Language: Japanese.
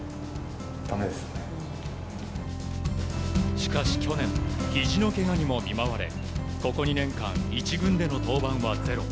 しかし去年ひじのけがにも見舞われここ２年間、１軍での登板はゼロ。